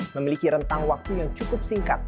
memiliki rentang waktu yang cukup singkat